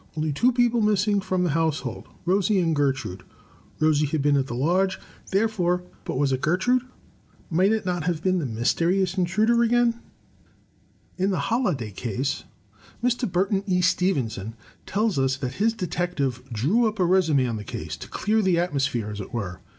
Only two people missing from the household, Rosie and Gertrude. Rosie had been at the lodge. Therefore — but was it Gertrude? Might it not have been the mysterious intruder again? In "The Holladay Case," Mr. Burton E. Stevenson tells 198 THE TECHNIQUE OF THE MYSTERY STORY US that his detective " drew up a resumi of the case — to clear the atmosphere, as it were.